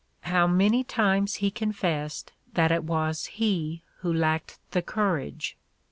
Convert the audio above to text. How many times he confessed that it was he who lacked the "courage"!